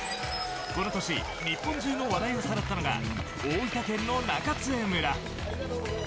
この年日本中の話題をさらったのが大分県の中津江村。